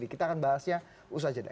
kita akan bahasnya usaha jeda